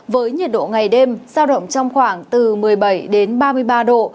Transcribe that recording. với nhiệt độ ngày đêm giao động trong khoảng từ một mươi bảy đến ba mươi ba độ